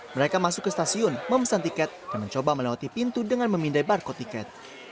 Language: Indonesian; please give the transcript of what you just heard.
mereka masuk ke stasiun memesan tiket dan mencoba melewati pintu dengan memindai barcode tiket